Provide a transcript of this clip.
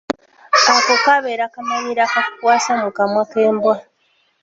Ako kabeera kamanyiiro akakukwasa mu kamwa k'embwa.